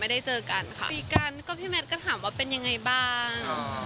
ได้เจอกันค่ะคุยกันก็พี่แมทก็ถามว่าเป็นยังไงบ้าง